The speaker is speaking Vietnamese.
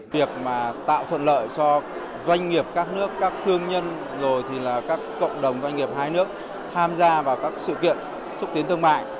việc mà tạo thuận lợi cho doanh nghiệp các nước các thương nhân rồi thì là các cộng đồng doanh nghiệp hai nước tham gia vào các sự kiện xúc tiến thương mại